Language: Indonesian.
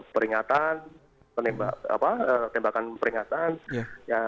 peringatan tembakan peringatan